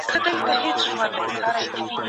هغه د میراثي پاچاهۍ ملاتړ کاوه.